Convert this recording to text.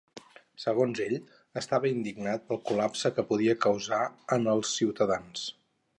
Segons ell, estava indignat pel col·lapse que podia causar en els ciutadans.